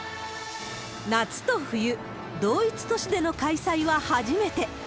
夏と冬、同一都市での開催は初めて。